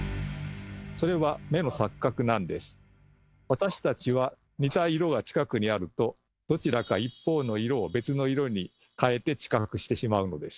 それは私たちは似た色が近くにあるとどちらか一方の色を別の色に変えて知覚してしまうのです。